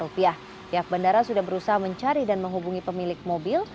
pihak bandara sudah berusaha mencari dan menghubungi pemilik mobil